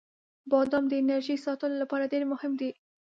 • بادام د انرژۍ ساتلو لپاره ډیر مهم دی.